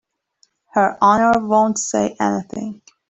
Her Honor won't say anything.